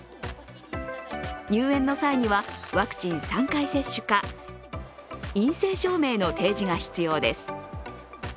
入園の際には、ワクチン３回接種か陰性証明の提示が必要です。